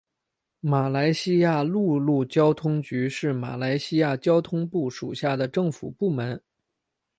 马来西亚陆路交通局是马来西亚交通部属下的政府部门。